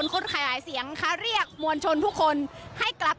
ตรงนี้ถอยนะครับตรงนี้เปิดจารจรครับ